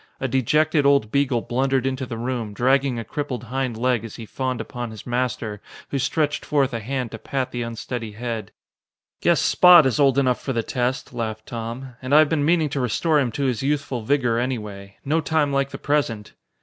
A dejected old beagle blundered into the room, dragging a crippled hind leg as he fawned upon his master, who stretched forth a hand to pat the unsteady head. "Guess Spot is old enough for the test," laughed Tom, "and I have been meaning to restore him to his youthful vigor, anyway. No time like the present."